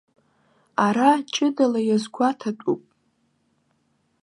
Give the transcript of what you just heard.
Ара ҷыдала иазгәаҭатәуп.